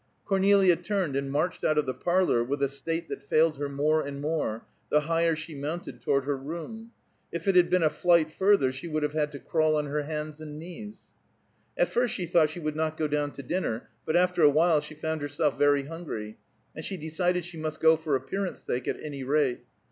Cornelia turned and marched out of the parlor with a state that failed her more and more, the higher she mounted toward her room. If it had been a flight further she would have had to crawl on her hands and knees. At first she thought she would not go down to dinner, but after a while she found herself very hungry, and she decided she must go for appearance sake at any rate.